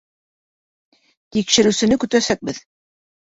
Тикшереүсене көтәсәкбеҙ.